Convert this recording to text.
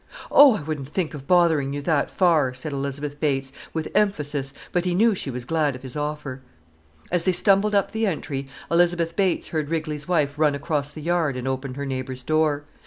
"Oh, I wouldn't think of bothering you that far," said Elizabeth Bates, with emphasis, but he knew she was glad of his offer. As they stumbled up the entry, Elizabeth Bates heard Rigley's wife run across the yard and open her neighbour's door.